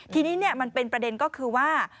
ทีนี้มันเป็นประเด็นก็คือว่า